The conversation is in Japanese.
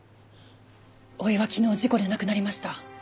甥は昨日事故で亡くなりました。